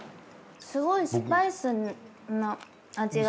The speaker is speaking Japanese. すごいスパイスな味が。